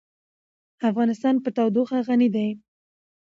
افغانستان په تودوخه غني دی.